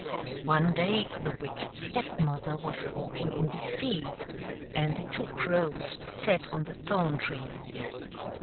One day the wicked Step mother was walking in the fields, and the two crows sat on the thorn tree.